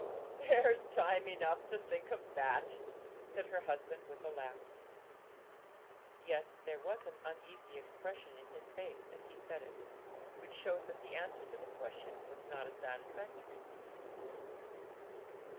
'There's time enough to think of that,' said her husband, with a laugh. Yet there was an uneasy expression in his face as he said it, which showed that the answer to the question was not a satisfactory one.